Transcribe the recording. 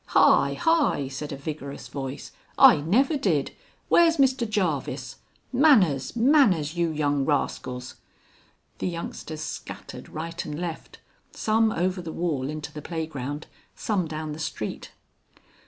"Hi, hi!" said a vigorous voice. "I never did! Where's Mr Jarvis? Manners, manners! you young rascals." The youngsters scattered right and left, some over the wall into the playground, some down the street.